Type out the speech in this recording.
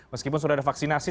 meskipun sudah ada vaksinasi